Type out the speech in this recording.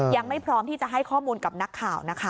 ยังไม่พร้อมที่จะให้ข้อมูลกับนักข่าวนะคะ